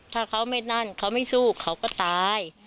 ถ้าเขาไม่นั่นเขาไม่สู้เขาก็ตาย